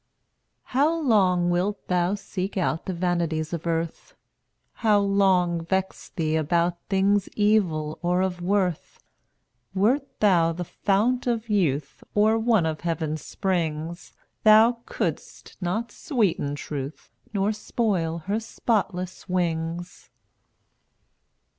211 How long wilt thou seek out The vanities of earth? How long vex thee about Things evil or of worth? Wert thou the fount of youth Or one of Heaven's springs Thou couldst not sweeten Truth Nor soil her spotless wings.